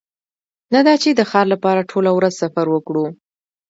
نه دا چې د ښار لپاره ټوله ورځ سفر وکړو